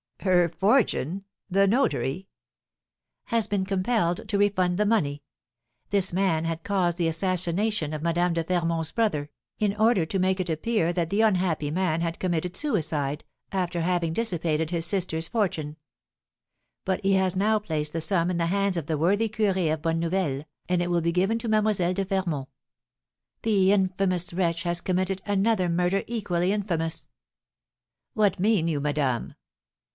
"Her fortune! The notary " "Has been compelled to refund the money. This man had caused the assassination of Madame de Fermont's brother, in order to make it appear that the unhappy man had committed suicide, after having dissipated his sister's fortune; but he has now placed the sum in the hands of the worthy curé of Bonne Nouvelle, and it will be given to Mlle. de Fermont. The infamous wretch has committed another murder equally infamous!" "What mean you, madame?"